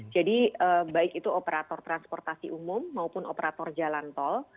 jadi baik itu operator transportasi umum maupun operator jalan tol